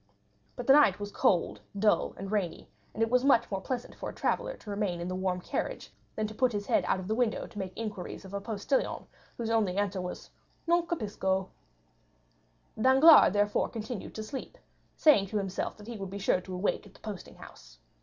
But the night was cold, dull, and rainy, and it was much more pleasant for a traveller to remain in the warm carriage than to put his head out of the window to make inquiries of a postilion whose only answer was "Non capisco." 50241m Danglars therefore continued to sleep, saying to himself that he would be sure to awake at the posting house.